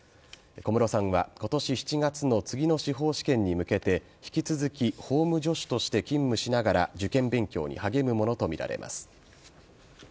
小室さんは今年７月の次の司法試験に向けて引き続き法務助手として勤務しながら受験勉強に励むものとみられます。